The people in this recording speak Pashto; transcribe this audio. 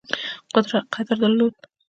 قدر درلود.